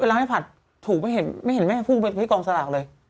เวลาแม่ผัดถูกไม่เห็นไม่เห็นแม่พุ่งไปกองสารากเลย